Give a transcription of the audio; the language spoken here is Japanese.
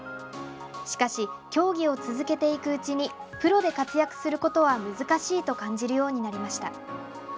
しかし、競技を続けていくうちにプロで活躍することは難しいと感じるようになりました。